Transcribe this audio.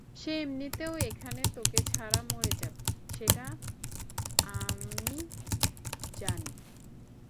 সে এমনিতেও এখানে তোকে ছাড়া মরে যাবে, সেটা আমজ জানি।